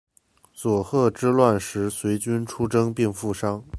佐贺之乱时随军出征并负伤。